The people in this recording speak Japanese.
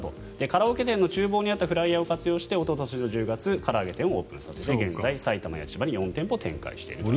カラオケ店の厨房にあったフライヤーを活用しておととしの１０月にから揚げ店をオープンさせて現在、埼玉や千葉に４店舗展開していると。